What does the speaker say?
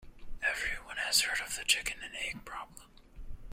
Everyone has heard of the chicken and egg problem.